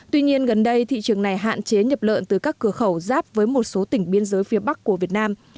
tuy nhiên gần đây thị trường này hạn chế nhập lợn từ các cửa khẩu giáp với một số tỉnh biên giới phía bắc của việt nam